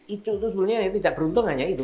icuk itu sebelumnya tidak beruntung hanya itu